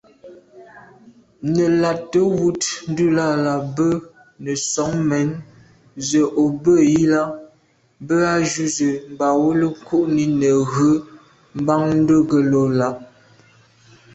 Nə̀ là’tə̌ wud, ndʉ̂lαlα mbə̌ nə̀ soŋ mɛ̌n zə̀ ò bə̂ yi lα, bə α̂ ju zə̀ mbὰwəlô kû’ni nə̀ ghʉ̀ mbὰndʉ̌kəlô lα.